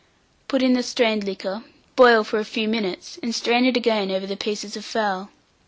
Put in the strained liquor, boil for a few minutes, and strain it again over the pieces of fowl.